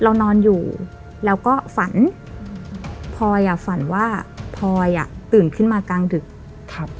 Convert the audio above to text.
เรานอนอยู่แล้วก็ฝันพลอยอ่ะฝันว่าพลอยอ่ะตื่นขึ้นมากลางดึกครับ